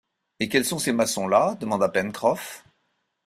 Et quels sont ces maçons-là demanda Pencroff.